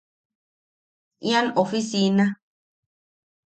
Ian ofisina...